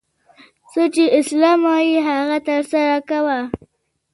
څه چي اسلام وايي هغه ترسره کوه!